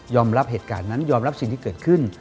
รับเหตุการณ์นั้นยอมรับสิ่งที่เกิดขึ้น